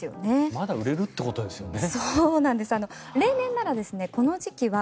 まだ売れるってことですよね。